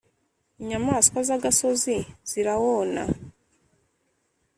Inyamaswa zagasozi zirawona